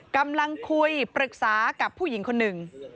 กำลังคุยปรึกษากับผู้หญิงคนหนึ่ง